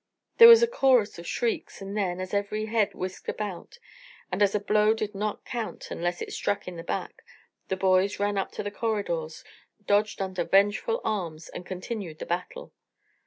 There was a chorus of shrieks, and then, as every head whisked about, and as a blow did not count unless it struck at the back, the boys ran up to the corridors, dodged under vengeful arms and continued the battle.